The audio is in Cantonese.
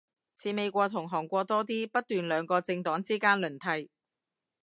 似美國同韓國多啲，不斷兩個政黨之間輪替